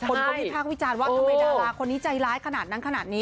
คนก็วิพากษ์วิจารณ์ว่าทำไมดาราคนนี้ใจร้ายขนาดนั้นขนาดนี้